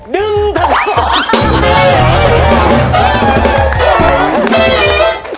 ดึงทางนี้ออกมา